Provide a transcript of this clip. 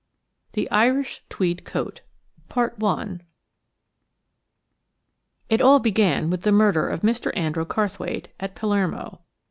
IIITHE IRISH TWEED COAT IT all began with the murder of Mr. Andrew Carrthwaite, at Palermo.